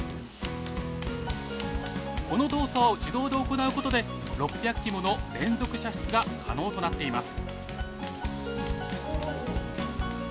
この動作を自動で行うことで６００機もの連続射出が可能となっています。